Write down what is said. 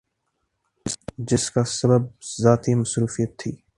جس کا سبب ذاتی مصروفیت تھی ۔